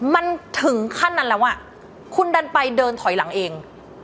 มันถึงขั้นนั้นแล้วอ่ะคุณดันไปเดินถอยหลังเอง